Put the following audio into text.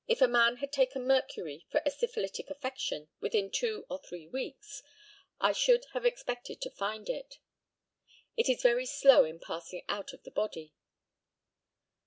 If a man had taken mercury for a syphilitic affection within two or three weeks I should have expected to find it. It is very slow in passing out of the body.